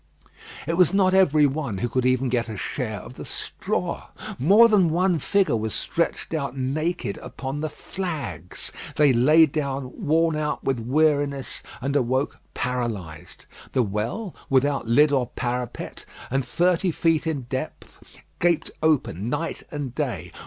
It was not every one who could even get a share of the straw. More than one figure was stretched out naked upon the flags. They lay down worn out with weariness, and awoke paralysed. The well, without lid or parapet, and thirty feet in depth, gaped open night and day.